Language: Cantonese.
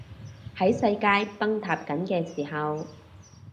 喺世界崩塌緊嘅時候